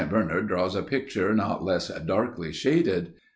Bernard draws a picture not less darkly shaded.